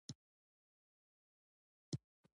د افغانستان په جغرافیه کې د کابل سیند اهمیت لري.